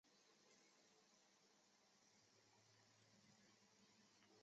所属经纪公司为杰尼斯事务所。